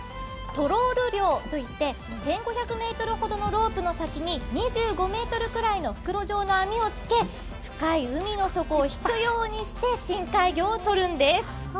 トロール漁といって、１５００ｍほどのロープの先に２５ｍくらいの袋状の網をつけ、深い海の底を引くようにして深海魚をとるんです。